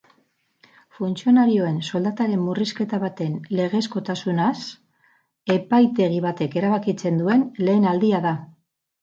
Funtzionarioen soldataren murrizketa baten legezkotasunaz epaitegi batek erabakitzen duen lehen aldia da.